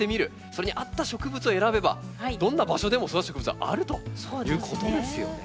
それに合った植物を選べばどんな場所でも育つ植物はあるということですよね。